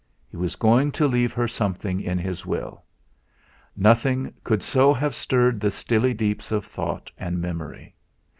He was going to leave her something in his Will; nothing could so have stirred the stilly deeps of thought and memory.